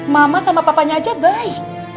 mama sama papanya aja baik